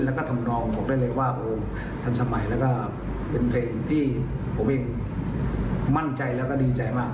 แล้วก็ทำนองบอกได้เลยว่าทันสมัยแล้วก็เป็นเพลงที่ผมเองมั่นใจแล้วก็ดีใจมาก